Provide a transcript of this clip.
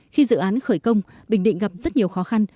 khi dự án khởi công bình định gặp rất nhiều khó khăn